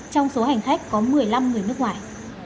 trong số hành khách có một mươi năm người nước ngoài